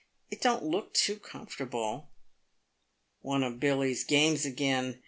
It don't look too comfortable." " One of Billy's games again.